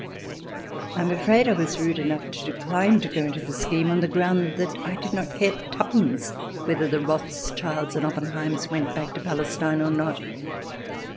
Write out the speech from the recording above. I am afraid I was rude enough to decline to go into the scheme on the ground that I did not care twopence whether the Rothschilds and Oppenheims went back to Palestine or not.